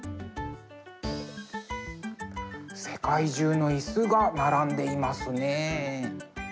世界中の椅子が並んでいますね。